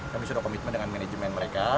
kami sudah komitmen dengan manajemen mereka